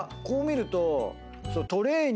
こう見ると。